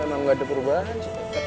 emang gak ada perubahan